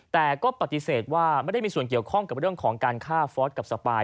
แต่ก็ปฏิเสธว่าไม่ได้มีส่วนเกี่ยวข้องกับเรื่องของการฆ่าฟอสกับสปาย